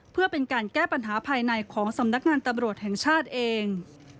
เพื่อเป็นการแก้ปัญหาภายในของสำนักงานตำรวจแห่งชาติเอง